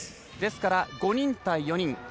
ですから、５人対４人。